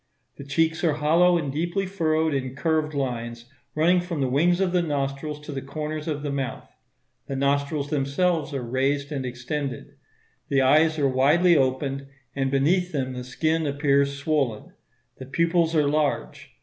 The cheeks are hollow and deeply furrowed in curved lines running from the wings of the nostrils to the corners of the mouth. The nostrils themselves are raised and extended. The eyes are widely opened, and beneath them the skin appears swollen; the pupils are large.